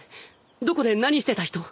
どこで何してた人？